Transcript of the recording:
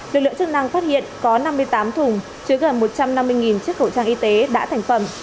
lực lượng chức năng phát hiện có năm mươi tám thùng chứa gần một trăm năm mươi chiếc khẩu trang y tế đã thành phẩm